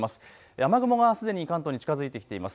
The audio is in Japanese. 雨雲がすでに関東に近づいてきています。